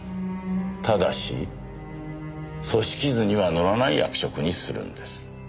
ただし組織図には載らない役職にするんです。